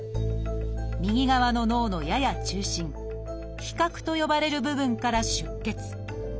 右側の脳のやや中心「被殻」と呼ばれる部分から出血。